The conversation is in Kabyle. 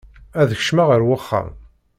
Ad kecmeɣ ar wexxam.